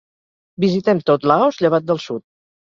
Visitem tot Laos, llevat del sud.